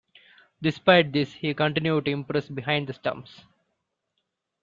Despite this, he continued to impress behind the stumps.